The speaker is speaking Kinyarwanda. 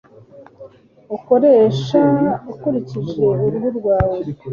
ukoresha ukurikije uruhu rwawe,